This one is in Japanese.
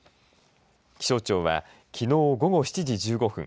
気象庁は、きのう午後７時１５分